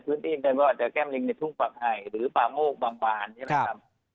พื้นที่ก็อาจจะแก้มลิงในทุ่งปากไห่หรือปลาโมกบางนะครับ